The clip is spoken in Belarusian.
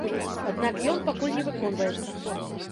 Аднак ён пакуль не выконваецца.